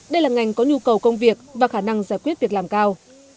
đây là ngành có nhu cầu công việc và khả năng giải quyết việc làm cao